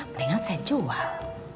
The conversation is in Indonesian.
mendingan saya jual